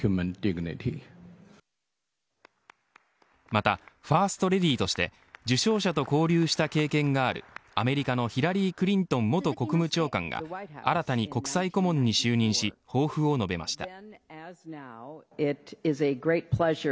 またファーストレディーとして受賞者と交流した経験があるアメリカのヒラリー・クリントン元国務長官が新たに国際顧問に就任し抱負を述べました。